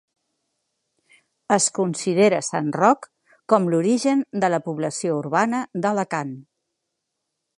Es considera Sant Roc com l'origen de la població urbana d'Alacant.